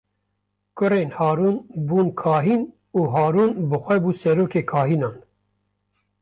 Kurên Harûn bûn kahîn û Harûn bi xwe bû serokê kahînan.